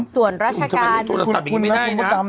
ส่วนราชการคุณทำไมเล่นโทรศัพท์แบบนี้ไม่ได้นะ